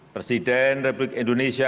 presiden republik indonesia ke lima